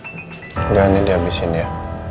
sudah ini dihabisin ya